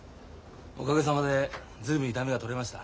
おかげさまで随分痛みが取れました。